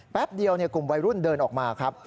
แป๊บเดียวกลุ่มวัยรุ่นเดินออกมาครับ